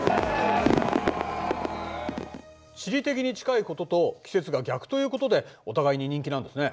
地理的に近いことと季節が逆ということでお互いに人気なんですね。